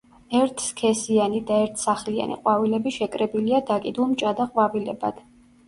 ერთსქესიანი და ერთსახლიანი ყვავილები შეკრებილია დაკიდულ მჭადა ყვავილებად.